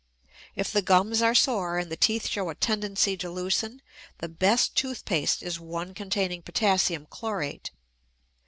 If the gums are sore and the teeth show a tendency to loosen, the best tooth paste is one containing potassium chlorate.